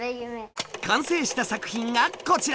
完成した作品がこちら！